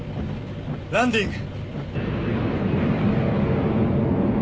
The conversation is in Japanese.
ランディング。